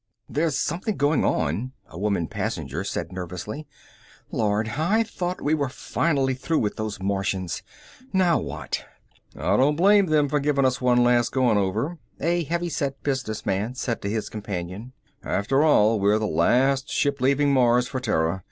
"There's something going on," a woman passenger said nervously. "Lord, I thought we were finally through with those Martians. Now what?" "I don't blame them for giving us one last going over," a heavy set business man said to his companion. "After all, we're the last ship leaving Mars for Terra.